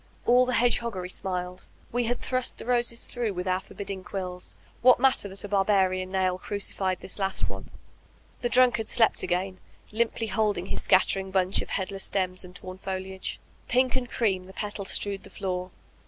All hedgehoggery smiled. We had thrust the roses through with our forbidding quiUs,— what matter Whek£ the White Rose Died 471 that a baibarian nail cradfied this last one? The drunk ard slept again, limply holding his scattering bunch of headless stems and torn fdiage. Pink and cream the petals strewed the floor.